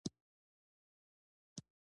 هیواد ته خدمت مقدس عمل دی